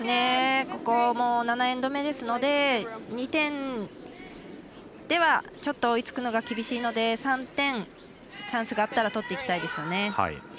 ここも７エンド目ですので２点ではちょっと追いつくのが厳しいので３点、チャンスがあったら取っていきたいですよね。